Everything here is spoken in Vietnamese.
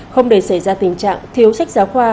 không để xảy ra tình trạng thiếu sách giáo khoa